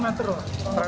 seratus meter ke bawahnya